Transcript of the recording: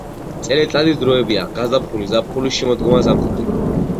წელიწადის დროებია: გაზაფხული ზაფხული შემოდგომა ზამთარი